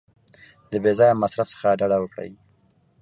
د بې ځایه مصرف څخه ډډه وکړئ.